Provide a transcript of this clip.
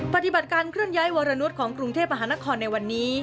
ปฏิบัติการเคลื่อนย้ายวรนุษย์ของกรุงเทพมหานครในวันนี้